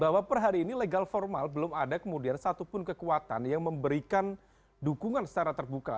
bahwa per hari ini legal formal belum ada kemudian satupun kekuatan yang memberikan dukungan secara terbuka